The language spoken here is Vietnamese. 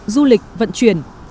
du lịch vận chuyển